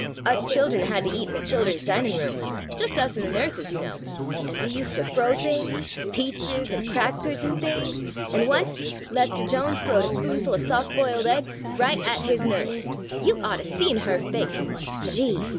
Us childern had to eat in the childern's dining room, — just us an' the nurses, you know ; an' we ust to fro things — peaches an' crackers an' things — an' onct Lester Jones frowed a spoonful of soft boiled egg right 107 MODERN MONOLOGUES at his nurse. You ought to seen her face — gee!